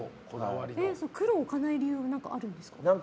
黒を置かない理由は何かあるんですか？